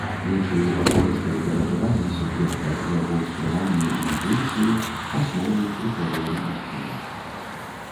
Лічыў асабістыя перажыванні суб'екта, яго ўспрыманне і інтуіцыю асноўным крытэрыем ісціны.